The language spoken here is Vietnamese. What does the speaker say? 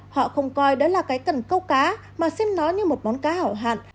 họ không coi đó là cái cần câu cá mà xem nó như một món cá hảo hạn